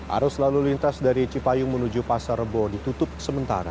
arus lalu lintas dari cipayung menuju pasar rebo ditutup sementara